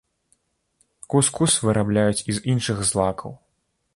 Кус-кус вырабляюць і з іншых злакаў.